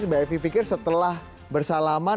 mbak evi pikir setelah bersalaman